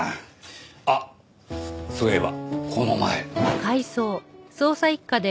あっそういえばこの前。